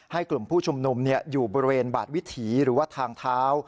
กลุ่มผู้ชุมนุมอยู่บริเวณบาดวิถีหรือว่าทางเท้า